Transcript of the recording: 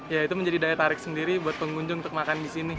ya itu menjadi daya tarik sendiri buat pengunjung untuk makan di sini